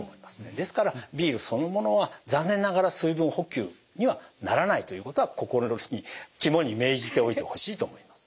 ですからビールそのものは残念ながら水分補給にはならないということは心に肝に銘じておいてほしいと思います。